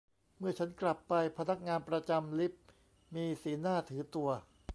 เมื่อฉันกลับไป พนักงานประจำลิฟต์มีสีหน้าถือตัว